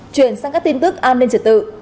truyền sang các tin tức an ninh trở tự